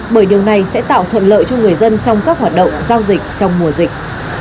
bởi điều này sẽ tạo thuận lợi cho người dân trong các hoạt động giao dịch trong mùa dịch